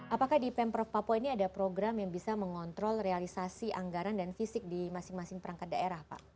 apakah di pemprov papua ini ada program yang bisa mengontrol realisasi anggaran dan fisik di masing masing perangkat daerah pak